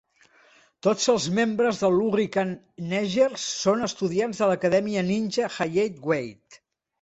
Tots els membres dels Hurricanegers són estudiants de l'Acadèmia Ninja Hayate Way.